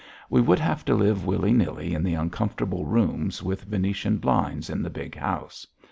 We would have to live willy nilly in the uncomfortable rooms with Venetian blinds in the big house.